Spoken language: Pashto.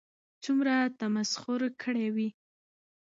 څومره تمسخر كړى وي